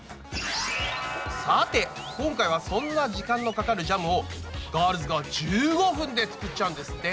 さて今回はそんな時間のかかるジャムをガールズが１５分で作っちゃうんですって。